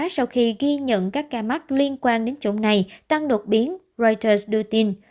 sau khi ghi nhận các ca mắc liên quan đến chủng này tăng đột biến reuters đưa tin